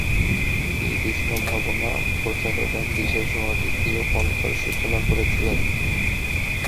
তিনি কৃষ্ণভাবনা প্রচারের এক বিশেষ ও অদ্বিতীয় পন্থার সূচনা করেছিলেন।